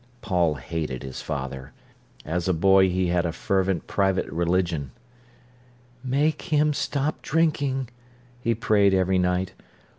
Paul hated his father. As a boy he had a fervent private religion. "Make him stop drinking," he prayed every night.